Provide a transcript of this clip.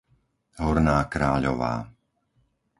Horná Kráľová